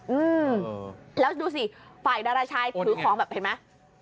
อืมแล้วดูสิฝ่ายดาราชายถือของแบบเห็นไหม